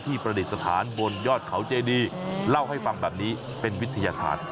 ที่ประเด็นสถานบนยอดเขาเจดีเล่าให้ฟังแบบนี้เป็นวิทยาฐาน